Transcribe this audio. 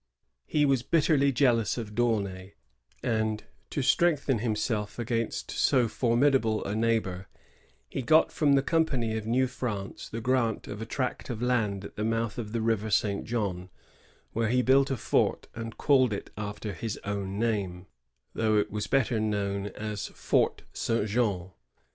^ He was bitterly jealous of D'Aunay; and, to strengthen himself against so formidable a neighbor, he got from the Company of New France the grant of a tract of land at the mouth of the river St. John, where he built a fort and caUed it after his own name, though it was better known as Fort St. Jean.